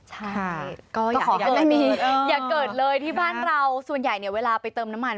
ใช่อยากเกิดเลยอยากเกิดเลยที่บ้านเราส่วนใหญ่เวลาไปเติมน้ำมัน